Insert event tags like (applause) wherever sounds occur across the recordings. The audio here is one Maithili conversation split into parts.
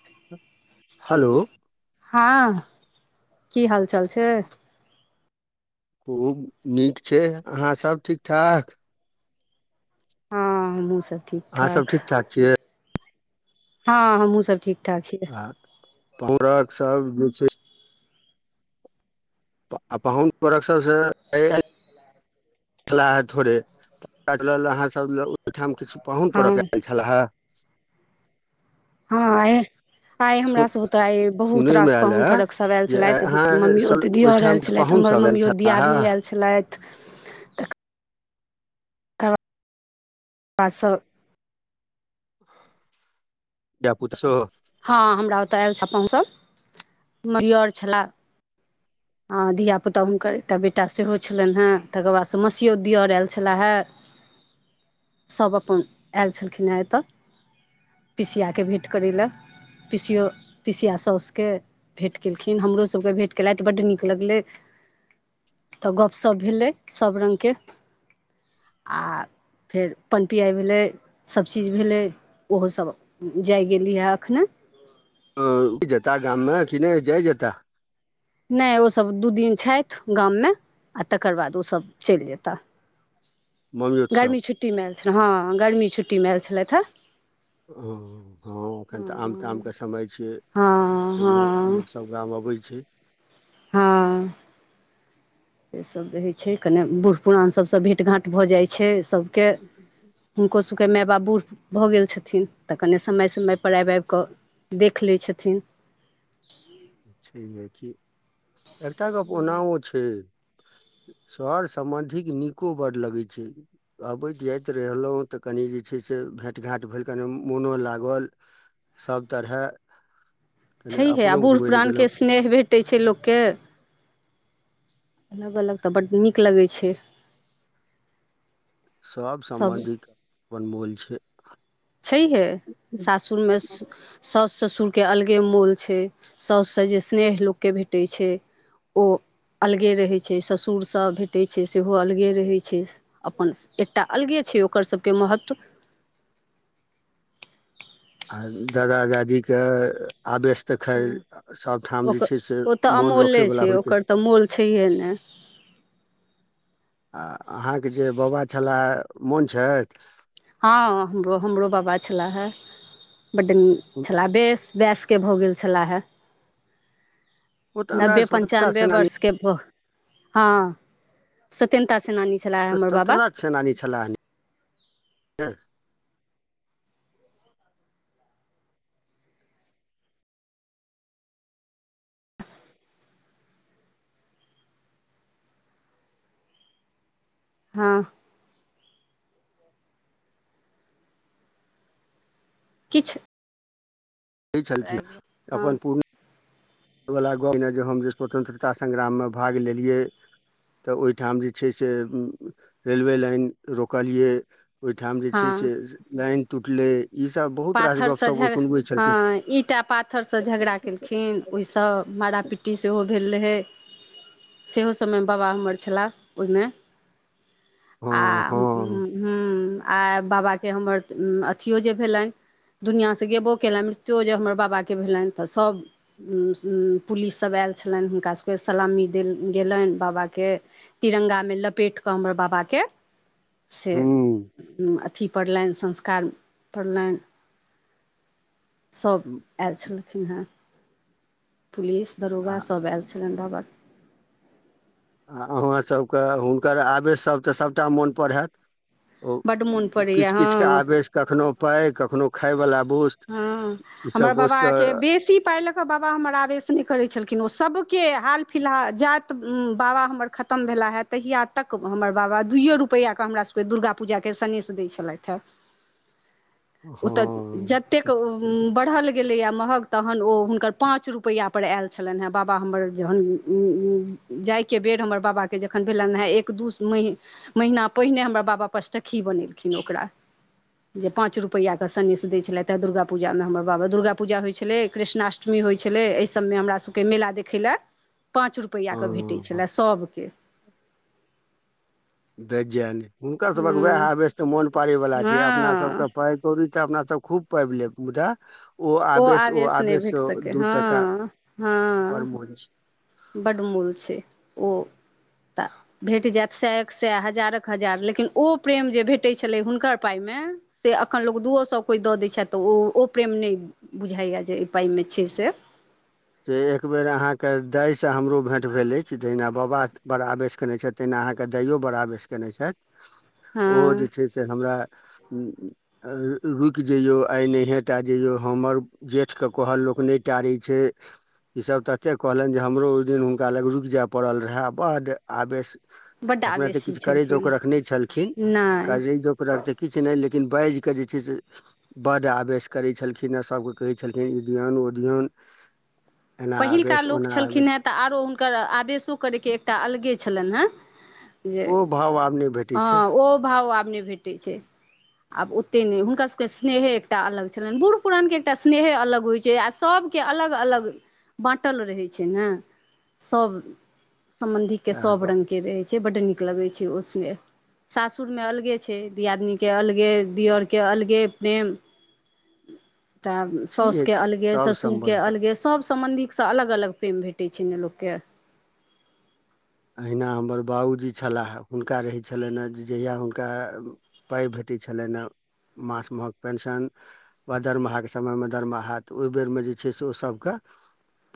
(unintelligible) हेलो हलो हँ की हाल चाल छैय। खूब नीक छैय अहाँ सभ ठीक ठाक? हँ हमुहू सब अहाँ सब ठीक ठाक छियै? हँ हमहूँ सभ ठीक ठाक छियै। आ (unintelligible) पाहुन वरक सभसँ एआइ (unintelligible) पाहुन हँ परक आयल छलेहाँ हँ ए आइ हमरा सुन सब ओते आई बहुत सुनयमे रास आयल पाहुन हे फरक सब आयल जे आइ छलथि अहाँ मम्मी ओते सभ दियर यरआयल ओहिठाम छले। हमर पाहुनसभ आयल मम्मियोत छलाहे दियादनी आयल छलैथ। (inaudible) (unintelligible) (unintelligible) हँ हमरा ओतय आयल छ पाहुन सभ ममियो यर छलाह। आ धियापुता हुनकर एकटा बेटा सेहो छलनि ह तकर बादसँ मसियोत दिअर आयल छलाह हे। (inaudible) सभ अपन आयल छलखिन ह एतय। पिसियाके भेँट करय ल पिसियो पिसिया साँसके भेँट केलखिन हमरोसभकेँ भेँट कयेलथि बड नीक लगलै त गप्प सब भेलै सब रंगके। (unintelligible) फेर पानि पियाइ भेलै सभचीज भेलै ओहोसभ जाए गेली हे एखन। ओ रूक जता गाममे कि नहि जाइ जता? नहि ओसभ दू दिन छथि गाममे आ तकर बाद ओसभ चलि जेताह। मम्मियोत सभ गर्मी छुट्टीमे आयल छलय हँ गर्मी छुट्टीमे आयल छलथि हेँ। हँ हँ एखन त आम तामके समय छियै। एहिमे हँ हँ लोकसभ गाम अबै छैय। हँ से सभ रहै छैय कने बूढ़ पुरान सभसँ भेँट घाँट भ जाइत छैय। सभके हुनको सब के माय बाप बूढ़ भऽ गेल छथिन तऽ कने समय समयपर आबि आबि कऽ देख लै छथिन। छैहे कि एकटा गप ओनाओ छैय। सर सम्बन्धिक नीको बड़ लगै छैय। अबैत जाइत रहलहुँ तऽ कनि जे छैय से भेँट घाट भेल कनि मोनो लागल। सभ तरहे कनि छैहे आ अपनो बूढ़ घुमय लए गेलहुँ पुरानके स्नेह भेटैत छैय लोककेँ। अलग अलग तऽ बड्ड नीक लगै छैय। सभ सम्बन्धिक अपन मोल छैय। छैहे सासुरमे सास ससुर सुरके अलगे मोल छैय साउससँ जे स्नेह लोककेँ भेटै छैयू ओ अलगे रहैत छैय ससुरस भेटैत छै सेहो अलगे रहैत छैय अपन एकटा अलगे छैय ओकर सभके महत्व (inaudible) आ दादा दादी के आबेस तऽ खैर सभठाम जे ओकर छै से ओ तऽ मोन अमूल्ये रखयवला छै होइत (inaudible) ओकर तऽ मोल छैहे ने आ अहाँके जे बाबा छलए मोन छथि? हँ हमरो हमरो बाबा छेलैहे बड्ड नीक छला बेस वयस्के भऽ गेल छलैहे। ओ तऽ नब्बे अन्दाज स्वतन्त्रता पञ्चानबे सेनानी वर्षके हँ स्वतन्ता स्वतन्त्रता सेनानी छलै है हँ किछु कहै छलखिन हँ अपन पूर्ण एहिवला गप ने जे हम जे स्वतन्त्रता संग्राम में भाग लेलियै। तऽ ओहिठाम जे छैय से रेलवे लाइन रोकलियै ओहिठाम जे छैय हँ से लाइन टूटलै। ईसभ बहुत रास पाथरसँ गपशप ओ झगड़ सुनबै छलखिन हँ ईटा पाथरसँ झगड़ा केलखिन ओहिसँ तऽ माड़ा पिटी सेहो भेल लहै सेहो सब में बाबा हमर छला ओहिमे आ हँ ह हँ ह्म आ बाबाके हमर अथियो जे भेलनि दुनिआँ सँ गेबो केलनि मृत्यु जे हमर बाबाके भेलनि तऽ सभ पुलिस सब आयल छलनि हुनका सबके सलामी देल गेलनि बाबा के तिरंगा मे लपेट कऽ हमर बाबा के (inaudible) से हूँ अथि पड़लनि संस्कार पड़लनि सभ आयल छलखिन हेँ पुलिस दरोगा आ सब आयल छलै बाबा आ अहाँसभके हुनकर आवेशसभ तऽ सभटा मोनपर हैत ओ बड्ड मोन पड़ैए किछ किछ के हँ आवेश कखनो पाइ कखनो खायवला वोस्त हँ ईसभ हमर वोस्त बाबाके तऽ बेसी पाइ लऽ कऽ बाबा हमर आवेश नहि करैत छलखिन किन ओ सभके हाल फिलहाल जाइत बाबा हमर खतम भेलाह है तहिया तक हमर बाबा बाबा दुइओ रुपैआके हमरासके दुर्गा पूजाके सनेेश दै छलथि हँ (inaudible) हँ एतेक से तऽ छै बढ़ल गेलैयै महग तहन ओ हुनकर पाँच रुपैया पर आइल छलन है बाबा हमर जहन अं अं जा जाय के बेर हमर बाबा के जखन भेलनि हे एक दू म महिना पहिने हमर बाबा पचटखी बनेल कि ओकरा जे पाँच रुपैय कऽ सनेश‌ देए छलेथ एतऽ दुर्गा पूजा में हमर बाबा दुर्गा पूजा होइ छलै कृष्णष्टमी होइ छलै एहि सभमे हमरा सभके मेला देखै लए पाँच रुपैआ हँ के भेटै हँ छलै सभ के व्यंजन हुनकर सभक वएह हँ हवस मोन पारैवला छै अपना हँ सबके पाइ कौड़ी तऽ अपना तऽ खूब पइब लेब मुदा ओ आवेश नहि भेट सकै हँ हँ पर मोन छै बड़ मूल छै ओ तऽ भेट जायत सएक सए हजार क हजार लेकिन ओ प्रेम जे भेटैत छलै हुनकर पाइमे में से अखन लोग दूओ सौ कोई द दै छै तऽ ओ ओ प्रेम नहि बुझाइया जे एहि पाइ मे छै से तऽ एक बेेर अहाँके दाय सँ हमरो भेँट भेल अछि जहिना बाबा बड़ आवेश कने छथि तहिना अहाँ के दाइओ बड़ आवेश केने छैथ हँ ओ जे से हमरा रुकि जइयो आइ नहिये टा जइयो हमर जेठ के कहल लोक नहि टारै छै ई सब तते कहलनि जे हमरो ओहि दिन हुनका लग रुकि जाय पड़ल रहे बड़ आवेश बड्ड अपना तऽ आवेशी किछु करै छलखिन जौगरक नै छलखिन नहि करै जौक रख तऽ किछु नहि लेकिन बाजि कऽ जे छैय से बड़ आवेश करै छलखिन हँ सभकेँ कहै छलखिन ई दिओन ओ धि्यान पहिका लोक छलखिन हँ तऽ आरो हुनकर आवेशो करयके एकटा अलगे छलनि हेँ जे ओ भाव आब नहि भेटै छै हँ ओ भाव आब नहि भेटैत छै आब ओतेक नहि हुनका सभके स्नेहे एकटा अलग छलनि बूढ़ पुरान के एकटा स्नेहे अलग होइत छै आ सभ के अलग अलग बाँटल रहै छै ने सभ सम्बन्धीे के सएह सभ गप रंग के रहैत बड़ नीक लगै छै ओ स्नेह सासुर में अलगे छै दियादनी के अलगे दियर के अलगे प्रेम (inaudible) तऽ साउस छैहे के की अलगे सभ ससुर के सम्बन्धके अलगे सब सम्बन्धिक अलग अलग प्रेम भेटै छै ने लोक के अहिना हमर बाबू जी छलाह हुनका रहै छलनि हे जे जहिया हुनका पाइ भेट छलेन हँ मास महक पेंशन वा दरमाहा के समयमे दरमाहा तऽ ओहि बेरमे जे छै से ओसभकेँ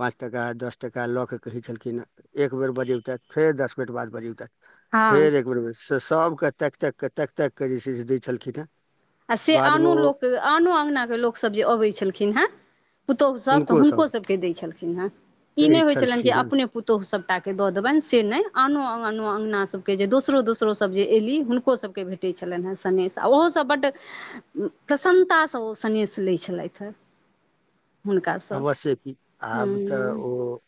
पाँच टाका दस टका लऽ के कहै छलखिन एक बेर बजे बजबथी फेर दस मिनट बाद बजब छैथ तक हँ फेर एक बेर त सबके तक ताक केऽ तक ताक कऽ जे छैय से दै छलखिन हेँ। आ से बादमे आनो ओ लोक आनो अङ्गना के लोकसभ जे अबैत छलखिन हेँ पुतहु सभ तऽ हुनको सभकेँ दै छलखिन हे ई दै नहि होइत छलनि कि छलखिन हेँ अपने पुतहु सभ के दऽ देबनि से नहि आनो अनो अंगगना सब के जे दोसरो दोसरो सब जे एली हुनको सब के भेटे छलनि हँ सनेेश आ ओहो सब बड प्रसन्नतासँ ओ सनेेश लैत छलथि हे। हुनकासँ अवश्य की आब तऽ हँ ओ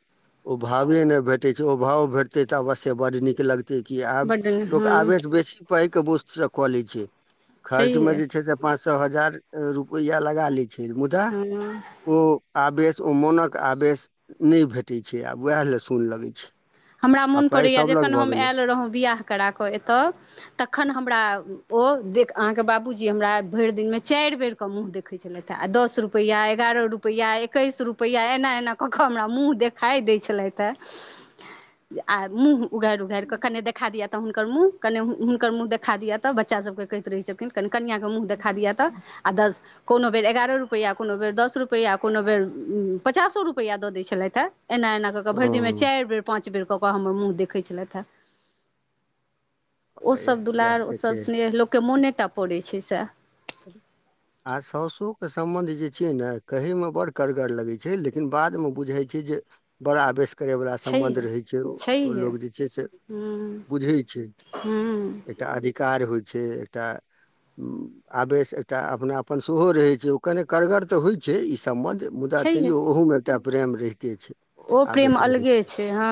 ओ भावे ने भेटे छैय ओ भाव भेटते ते अवश्य बड नीक लगते। तऽ की आब बड्ड लोक हँ आवेश बेसी पैए के बुस्त से कऽ लै छैय। खर्च में छैहे जे छैय से पाँच सए हजार रुपैआ लगा लैत मुदा हँ ओ आवेश ओ मोनक आवेश नहि भेटैत छैय आ उएह लेलए सुन लगैत छैय। हमरा मौन पड़ैए जखन हम आयल रहौ विवाह करा कऽ एतय तखन हमरा ओ अहाँ के बाबूजी हमरा भरि दिन मे चारि बेर के मुंह देखे छलैथ हे दस रुपआ ग्यारह ग्यारह रुपैआ एकैस रुपैआ एना एना कऽ कऽ हमरा मुँह देखाइ दैखाइ छलथि हँ। आ मुह उघारि उघार कऽ कनि देखा दि तऽ हुनकर मुँह कनि हुनकर मुँह देखा दिअ तऽ बच्चा सबके कहैत रहै छथिन कनि कनिआ कऽ मुँह देखा दिए तऽ दस कोनो बेड़ ग्यारह रुप रुपैआ कोनो बेर दस रुपैआ कोनो बेर उ पचासो रुपैआ दऽ दै छलथि हे। एना एना कऽ कऽ भरि दिन मे हँ चारि बेर पाच बेर कऽ कऽ हमर मुँह देखै छलथि ह ओसब इएह दुलार तऽ ओसब छै स्नेह लोकके मोने टा पड़ैई छैय सेह (inaudible) आ साउसोके सम्बन्ध जे छियै ने कहैमे बड़ कड़गर लगैत छैय लेकिन बादमे बुझैइ छैय। जे बड़ा आवेस करैइवला सम्बन्ध छैहे रहैइ छैयओ छैहे लोग जे छैय से हूँ बुझैइ छैय हूँ एकटा अधिकार होइ छैय एकटा उ आवेश एकटा अपनापन सेहो रहैइ छैय ओ कने कड़गर तऽ होइ छैय इ सब संबध मुदा छैहे तैयो ओहो मे एकटा प्रेम रहि ओ प्रेम अलगे छैय हां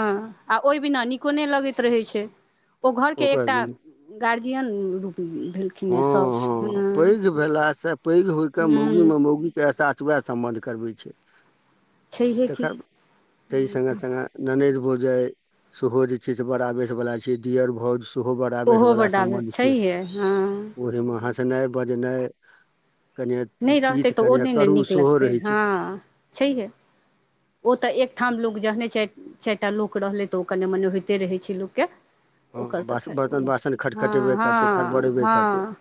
आ ओइ बिना नीको नई लगैत रहै छैय। ओ घर के ओकर एकटा गार्जियन रूप भेलखिन हेँ साउस हँअ् हँ हँअ् पैघ भेलासँ पैघ होइके हँ मौगीमें मौगीके एहसास वैह संबंध करबै छै छैहे की तखेन न तइ संगे संगे ननैद हो जाय सेहो जे छैइ से बड़ा आवेश वला छैइ डियर भौज सेहो बड़ा आवेश ओहो बला बड आबैत संबंध छी छैहे हँ ओहे में हंसनाई बजनाई नई रहतै तऽ ओ नई न नीक सेहो लगतै रहै छै हँ छैहे ओ तऽ एक ठाम लोक जहने चारि चारि टा लोक रहलै तऽ ओ कने मने होइते रहै छैइ लोक के हँ ओकर तऽ बास खैर बर्तन कोनो बासन खटखटेबे हँअ् करतै हँअ् खड़बड़ेबे करतै हँअ्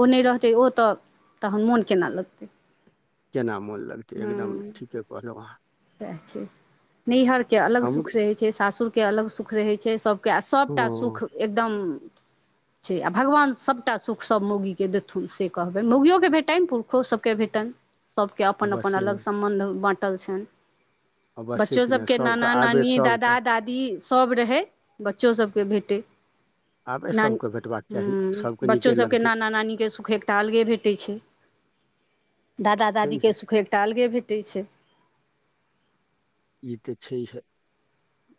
ओ नई रहतै ओ तऽ तहन मोन केना लगतै? केना मोन लगतै एकदम ठीके कहलहुँ। सैह छैय। नैहरके अलग हमर सुख रहैइ छैय सासुरके अलग सुख रहैत छैय सबके आ सबटा सुख हँ एकदम हूंअ् छैय आ भगवान सभटा सुखसभ मौगीके देथुन से कहबनि मौगियोके भेटनि पुरुषो सबके भेटनि। सबके अपन अपन अवश्ये अलग सम्बन्ध बाँटल छनि। अवश्ये बच्चो कि नहि सबके सभके नाना नानी आवेश दादा सभके दादी सब रहैय बच्चो सब के भेटैइ आवेश नन सभके भेटबाक चाही हूं सभके बच्चो नीके सबके लगतै नाना नानीके सुख एकटा अलगे भेटैइ छैय। (inaudible) दादा छै दादीके सुख एकटा अलगे भेटै छैय। ई तऽ छैहे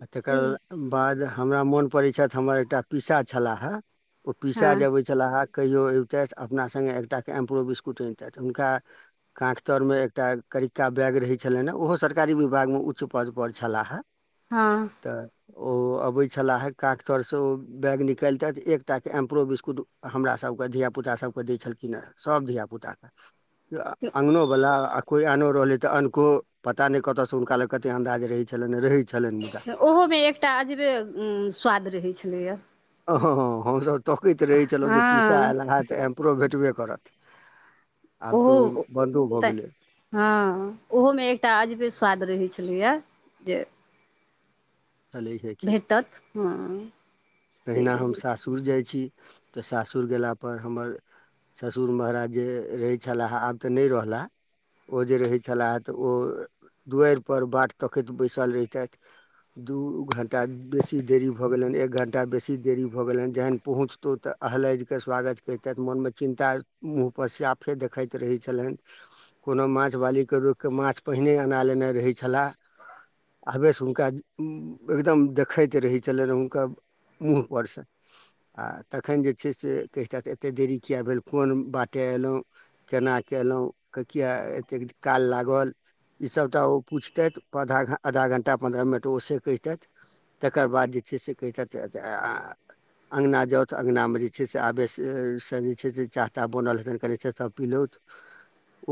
आ तकर बाद हमरा मोन पड़ै छथि हमर एकटा पीसा छलाह ओ पीसा हँ जे अबैइ छलाह कहियो अबितथि अपना सङ्गे एकटा के एम्प्रो बिस्कुट अनितथि हुनका कांख तर में एकटा करिक्का बैग रहै छलनि ओहो सरकारी विभागमे उच्च पदपर छलाह। हँअ तऽ ओ अबे छलाह काख तर से ओ बैग निकालतैथ एकटा के एम्प्रो बिस्कुट हमरा सबके धिया पुता सबके दैइ छलखिन ह सभ धिया पुता के अङ्गनोवला आ कोइ आनो रहलैइ तऽ अनको पता नई कतयसँ हुनका लंग कते अन्दाज रहै छलनि रहै ओहो में एकटा अजबे स्वाद रहैइ छलैय हँ हँ हँ हमसभ तकैत रहै छलहुँ हँ जे पीसा एयला ह तऽ एम्परो भेटबे करत आब तऽ ओ ओहोऽ बन्दो भऽ त गेलै हँ ओहो में एकटा अजबे स्वाद रहै छैइ छलैया जे चलै छै की भेटत हँअ् तहिना हम सासुर जाइ छी तऽ सासुर गेलापर हमर ससुर महाराज जे रहैइ छलाह आब तऽ नहि रहलाह ओ जे रहैइ छलाह तऽ ओ दुआरिपर बाट तकैत बैसल रहतैथ दू घंटा बेसी देरी भऽ गेलन एक घंटा बेसी देरी भऽ गेलनि जहन पहुँचतौँ तऽ अहलाद क स्वागत करितथि मोनमे चिन्ता प साफे देखइत रहे छलनि कोनो माछ बाली के रोक के माछ पहिने अना लेने रहै छला आवैस हुनका एकदम देखैत रहै छलैन हुनका मूँहपर सँ आ तखन जे छै से कहि थैत एते देरी किए भेलौ कोन बात केलौ केना केलौ किया एतेक काल लागल ई सबटा‌ ओ पुछतैथ आधा आधा घण्टा पन्द्रह मिनट ओ से कहितैथ तकर बाद जे छै से कहितैथ चाचा आ अङ्गना जाउ तो अङ्गनामे जे छै से आवेशेसँ जे छै से चाहताह बनल रहै कनि छै सभ पीलौथ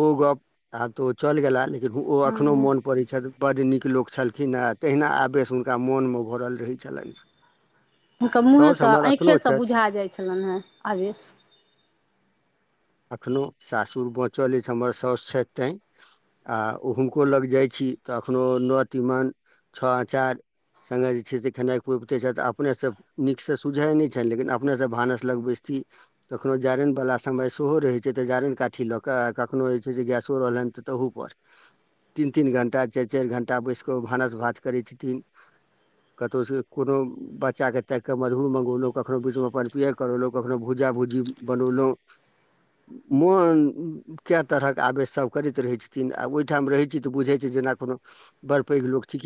ओ गप आब तोऽ ओ चलि गेला देखु ओ अखनो हँ मोन पड़ै छैथ बड नीक लोक छलखिन हँ तहिना आबैसँ हुनका मोनमे भरल रहै छलैन है हुनकर मूँहेसँ आँखिएसँ बुझा जाइ छलैन हेँ आवेश (inaudible) अखनो सासुर बाँचल अछि हमर साासु छैथ तै आ ओहुनको लग जाइ छै छि काखनो न तीमन छ अचार संघे जे छै खेनाइ खुबते छैथ आब अपने से नीक से सुझैय नहि छैन लेकिन अपने से भानस लगबैसथि कखनो जारन वाला समय सँ सोहो रहै छै तऽ जारैन काठी लऽ कऽ आ कखनो जे छै से गैसो रहलैन तऽ तहुपर तीन तीन घण्टा चाइर चाइर घण्टा बैस कऽ ओ भानस भात करै छथिन कतौऽ से कोनो ब्च बच्चाके ताइक कऽ मधुुर मङ्गौलौ कखनहु बीचमे पि पियइ करलहुँ कखहु भजा भुजी बनौलहुँ (unintelligible) मोन कए तरहक आवेशसब करैत रहैत छथिन आब ओहिठाम रहै छी तऽ बुझै छी जे जेना कोनो बड़ पैघ लोक छिके